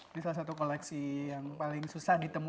ini salah satu koleksi yang paling susah ditemui